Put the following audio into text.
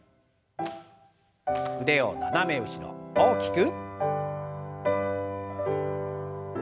腕を斜め後ろ大きく。